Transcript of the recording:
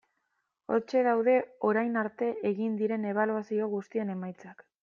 Hortxe daude orain arte egin diren ebaluazio guztien emaitzak.